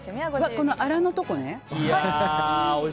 このアラのところね。